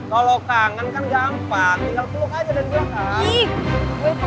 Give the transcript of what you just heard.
kalo kangen kan gak empat tinggal peluk aja dan biarkan